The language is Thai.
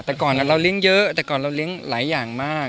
แต่ก่อนเราเลี้ยงเยอะแต่ก่อนเราเลี้ยงหลายอย่างมาก